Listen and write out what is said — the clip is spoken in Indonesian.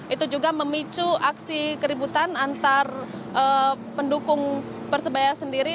itu juga memicu aksi keributan antar pendukung persebaya sendiri